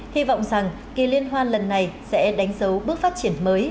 hy vọng rằng kỳ liên hoan lần này sẽ đánh dấu bước phát triển mới